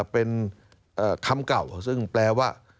เป็นคำเก่าซึ่งแปลว่า